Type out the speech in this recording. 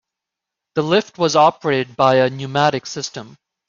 The lift was operated by a pneumatic system.